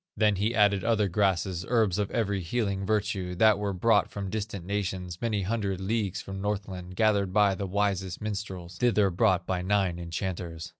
Then he added other grasses, Herbs of every healing virtue, That were brought from distant nations, Many hundred leagues from Northland, Gathered by the wisest minstrels, Thither brought by nine enchanters.